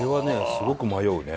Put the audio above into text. すごく迷うね。